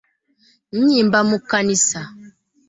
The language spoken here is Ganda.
Nnyimba mu kkanisa.